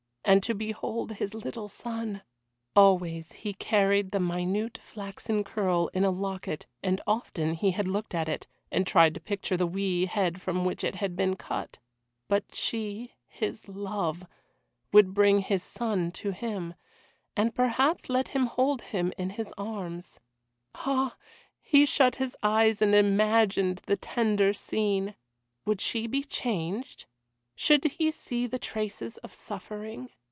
And to behold his little son. Always he carried the minute flaxen curl in a locket, and often he had looked at it, and tried to picture the wee head from which it had been cut. But she his love would bring his son to him and perhaps let him hold him in his arms. Ah! he shut his eyes and imagined the tender scene. Would she be changed? Should he see the traces of suffering?